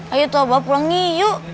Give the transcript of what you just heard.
ayo tuh abah pulang nih yuk